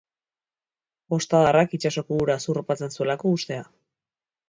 Ostadarrak itsasoko ura zurrupatzen zuelako ustea.